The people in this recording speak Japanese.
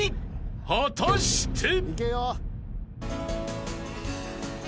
［果たして？］